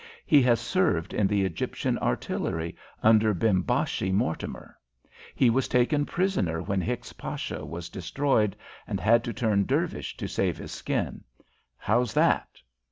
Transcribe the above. He has served in the Egyptian Artillery under Bimbashi Mortimer. He was taken prisoner when Hicks Pasha was destroyed, and had to turn Dervish to save his skin. How's that?"